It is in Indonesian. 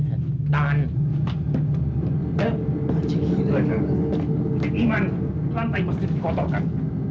ini iman lantai mesti dikotokkan